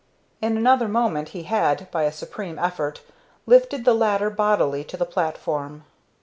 In another moment he had, by a supreme effort, lifted the latter bodily to the platform.